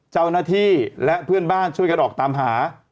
เจ้าหน้าที่และเพื่อนบ้านช่วยกันออกตามหา